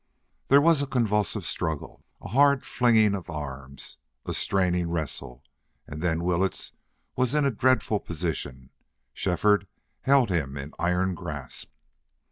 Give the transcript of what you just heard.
There was a convulsive struggle, a hard flinging of arms, a straining wrestle, and then Willetts was in a dreadful position. Shefford held him in iron grasp.